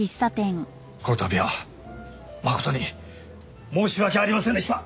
この度は誠に申し訳ありませんでした！